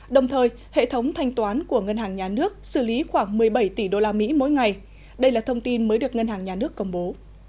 đồng thời hệ thống thanh toán của ngân hàng nhà nước xử lý khoảng một mươi bảy tỷ usd mỗi ngày đây là thông tin mới được ngân hàng nhà nước công bố